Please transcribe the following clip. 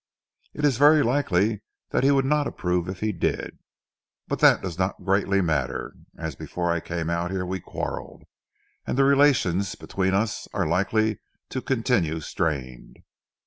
"It is very likely that he would not approve if he did. But that does not greatly matter; as before I came out here we quarrelled, and the relations between us are likely to continue strained."